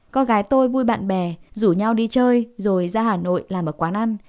cô gái tôi vui bạn bè rủ nhau đi chơi rồi ra hà nội làm ở quán ăn